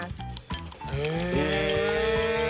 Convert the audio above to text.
へえ。